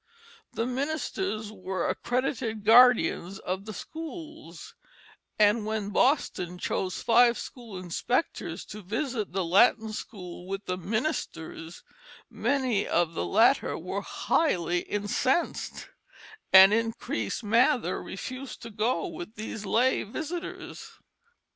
The ministers were accredited guardians of the schools; and when Boston chose five school inspectors to visit the Latin School with the ministers, many of the latter were highly incensed, and Increase Mather refused to go with these lay visitors.